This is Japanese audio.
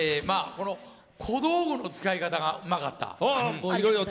小道具の使い方がうまかった。